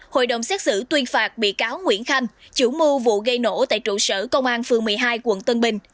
hội đồng xét xử tuyên phạt bị cáo nguyễn khanh chủ mưu vụ gây nổ tại trụ sở công an phường một mươi hai quận tân bình